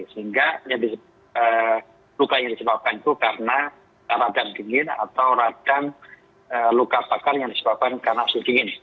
sehingga luka yang disebabkan itu karena radang dingin atau radang luka bakar yang disebabkan karena suhu dingin